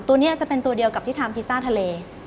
ตัวนี้จะเป็นตัวเดียวกับที่ทำพิซซ่าทะเล